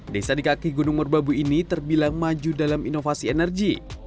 desa di kaki gunung merbabu ini terbilang maju dalam inovasi energi